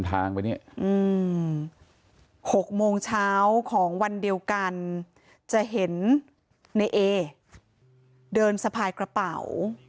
ทางไปเนี้ยอืมหกโมงเช้าของวันเดียวกันจะเห็นเนเอเดินสะพายกระเป๋า